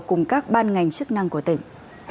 cùng các ban ngành chức năng của tỉnh